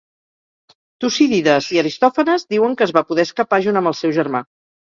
Tucídides i Aristòfanes diuen que es va poder escapar junt amb el seu germà.